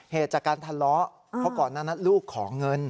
เหตุจากการทะเลาะเพราะก่อนนั้นลูกขอเงิน